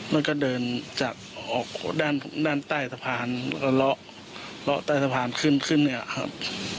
มันก็เดินจากออกด้านด้านใต้สะพานแล้วก็เลาะใต้สะพานขึ้นขึ้นเนี่ยครับ